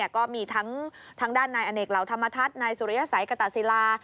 ก็มีทั้งด้านนายอเนกเหล่าธรรมทัศน์นายสุริยสัยกตะศิลา